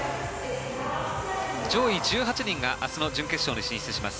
上位１８人が明日の準決勝に進出します。